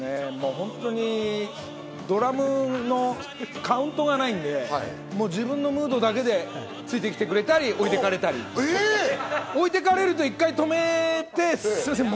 ドラムのカウントがないんで、自分のムードだけでついてきてくれたり置いて行かれたり、置いてかれると１回止めて、すみません